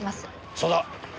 そうだ。